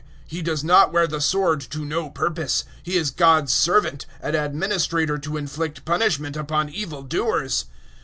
He does not wear the sword to no purpose: he is God's servant an administrator to inflict punishment upon evil doers.